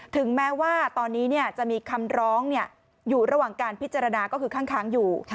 ถึงแม้ว่าตอนนี้จะมีคำร้องอยู่ระหว่างการพิจารณาก็คือข้างอยู่